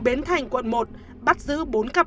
bến thành quận một bắt giữ bốn cặp